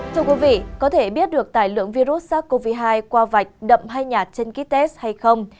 các bạn có thể biết được tài lượng virus sars cov hai qua vạch đậm hay nhạt trên ký test hay không